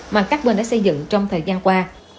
mà các bên đã xây dựng trong thời gian qua